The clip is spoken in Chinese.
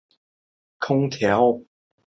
有时读无声调的字词时会使用到此音。